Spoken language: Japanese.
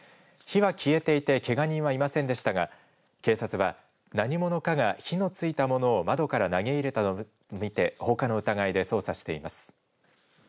火は消えていてけが人はいませんでしたが警察は何者かが火のついたものを窓から投げ入れたと見て放火の疑いで捜査しています。